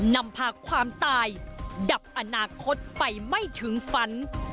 นำพาความตายดับอนาคตไปไม่ถึงฝัน